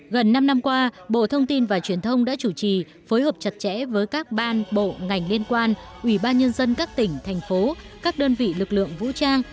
gần năm năm qua bộ thông tin và truyền thông đã chủ trì phối hợp chặt chẽ với các ban bộ ngành liên quan ủy ban nhân dân các tỉnh thành phố các đơn vị lực lượng vũ trang